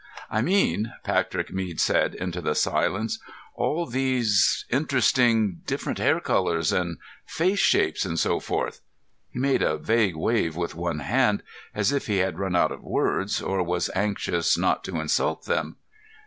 "I mean," Patrick Mead said into the silence, "all these interesting different hair colors and face shapes and so forth " He made a vague wave with one hand as if he had run out of words or was anxious not to insult them.